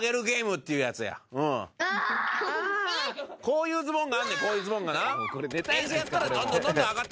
こういうズボンがあんねんこういうズボンがな。